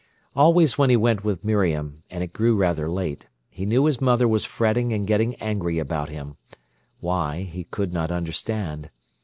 Always when he went with Miriam, and it grew rather late, he knew his mother was fretting and getting angry about him—why, he could not understand.